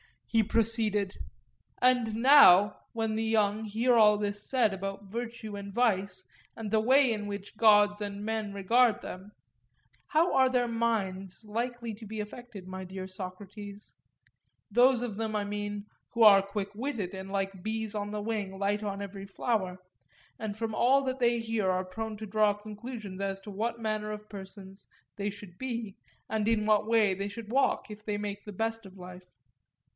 He proceeded: And now when the young hear all this said about virtue and vice, and the way in which gods and men regard them, how are their minds likely to be affected, my dear Socrates,—those of them, I mean, who are quickwitted, and, like bees on the wing, light on every flower, and from all that they hear are prone to draw conclusions as to what manner of persons they should be and in what way they should walk if they would make the best of life?